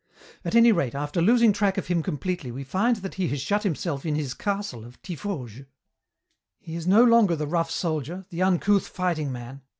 "At any rate, after losing track of him completely, we find that he has shut himself in at his castle of Tiffauges. "He is no longer the rough soldier, the uncouth fighting man.